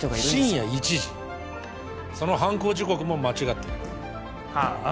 深夜１時その犯行時刻も間違ってるはあ？